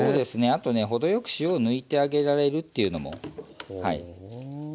あとね程よく塩を抜いてあげられるっていうのもはい。